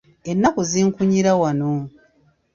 Ennaku zinkunyira wano.